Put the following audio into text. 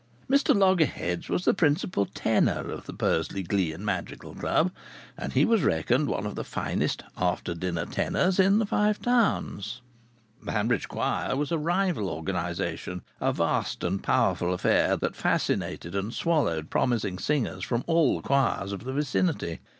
Mr Loggerheads was the principal tenor of the Bursley Glee and Madrigal Club. And he was reckoned one of the finest "after dinner tenors" in the Five Towns. The Hanbridge Choir was a rival organization, a vast and powerful affair that fascinated and swallowed promising singers from all the choirs of the vicinity.